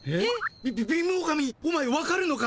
び貧乏神お前わかるのか？